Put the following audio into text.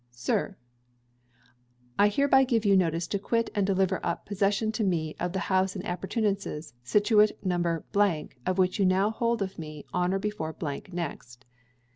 _ Sir, I hereby give you notice to quit and deliver up possession to me of the house and appurtenances, situate No , which you now hold of me, on or before next.